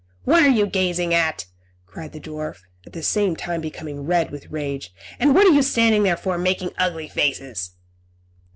"What are you gazing at?" cried the dwarf, at the same time becoming red with rage; "and what are you standing there for, making ugly faces?"